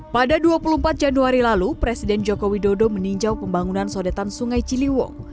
pada dua puluh empat januari lalu presiden joko widodo meninjau pembangunan sodetan sungai ciliwung